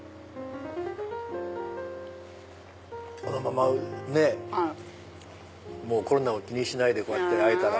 このままコロナを気にしないでこうやって会えたら。